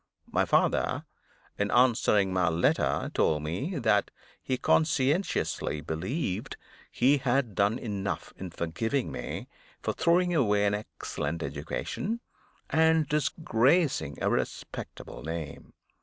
My father, in answering my letter, told me that he conscientiously believed he had done enough in forgiving me for throwing away an excellent education, and disgracing a respectable name.